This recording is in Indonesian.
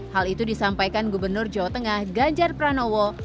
hal itu disampaikan gubernur jawa tengah ganjar pranowo